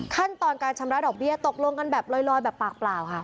ขั้นตอนการชำระดอกเบี้ยตกลงกันแบบลอยแบบปากเปล่าค่ะ